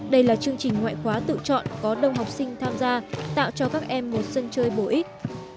đây là chương trình ngoại khóa tự chọn có đông học sinh tham gia tạo cho các em một sân chơi bổ ích